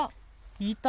いた！